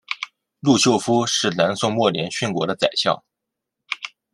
陆秀夫是南宋末年殉国的宰相。